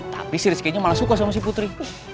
tapi si rizky nya malah suka sama si putri